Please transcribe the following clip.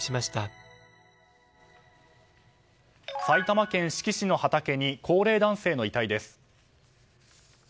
埼玉県志木市の畑に高齢男性の遺体です。